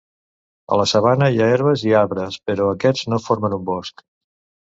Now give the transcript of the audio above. A la sabana hi ha herbes i arbres però aquests no formen un bosc.